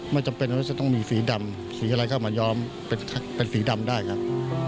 จำเป็นว่าจะต้องมีสีดำสีอะไรเข้ามาย้อมเป็นสีดำได้ครับ